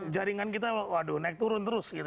jaringan kita waduh naik turun terus gitu